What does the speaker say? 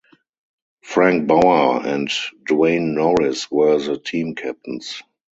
Frank Baur and Dwayne Norris were the team captains.